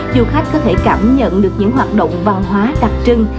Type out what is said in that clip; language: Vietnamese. du khách có thể cảm nhận được những hoạt động văn hóa đặc trưng